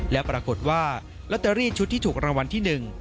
และปรากฏว่าลอตเตอรี่ชุดที่ถูกรางวัลที่๑